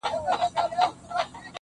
ه بيا دي سترگي سرې ښكاريږي~